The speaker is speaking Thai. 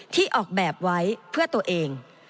ที่ออกแบบไว้เพื่อตัวเอง